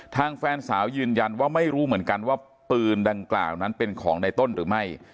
แฟนสาวยืนยันว่าไม่รู้เหมือนกันว่าปืนดังกล่าวนั้นเป็นของในต้นหรือไม่